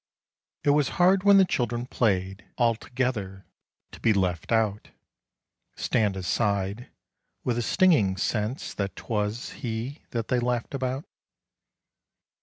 It was hard when the children played All together, to be left out, Stand aside, with a stinging sense That 'twas he that they laughed about.